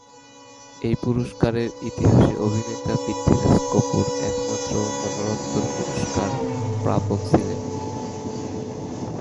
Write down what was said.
এই পুরস্কারের ইতিহাসে অভিনেতা পৃথ্বীরাজ কপূর একমাত্র মরণোত্তর পুরস্কার প্রাপক ছিলেন।